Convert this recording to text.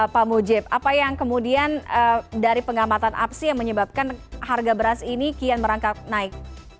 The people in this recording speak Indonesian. pak mujib apa yang kemudian dari pengamatan apsi yang menyebabkan harga beras ini kian merangkap naik